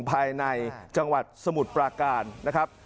ภายในจังหวัดสมุทรปราการนะครับ